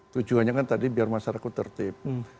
tujuannya kan tadi biar masyarakat tertib